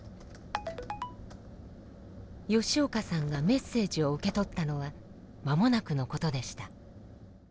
吉岡さんがメッセージを受け取ったのは間もなくのことでした。